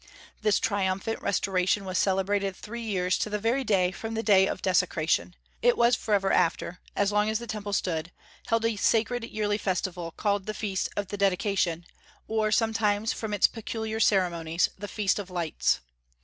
This triumphant restoration was celebrated three years, to the very day, from the day of desecration; it was forever after as long as the Temple stood held a sacred yearly festival, and called the Feast of the Dedication, or sometimes, from its peculiar ceremonies, the Feast of Lights.